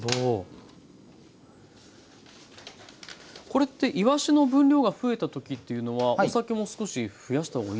これっていわしの分量が増えた時っていうのはお酒も少し増やした方がいいんですか？